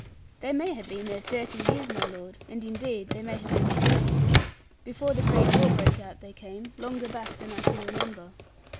'They may have been there thirty years, my lord; and indeed they may have been forty. Before the great war broke out they came, longer back than I can remember.'